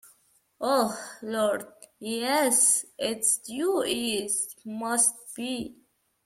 Oh, Lord, yes, it's due east — must be!